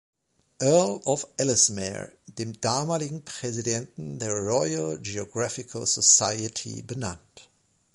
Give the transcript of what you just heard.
Earl of Ellesmere, dem damaligen Präsidenten der Royal Geographical Society, benannt.